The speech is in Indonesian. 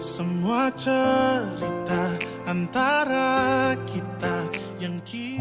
semua cerita antara kita yang cinta